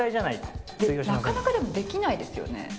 なかなかでもできないですよね。